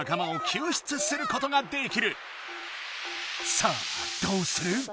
さあどうする？